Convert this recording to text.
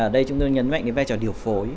ở đây chúng tôi nhấn mạnh cái vai trò điều phối